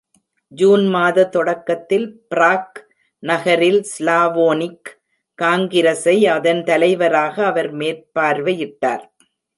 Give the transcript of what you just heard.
June மாத தொடக்கத்தில், Prague நகரில் ஸ்லாவோனிக் காங்கிரஸை, அதன் தலைவராக, அவர் மேற்பார்வையிட்டார்.